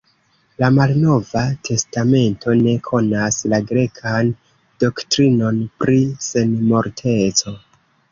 La Malnova Testamento ne konas la grekan doktrinon pri senmorteco.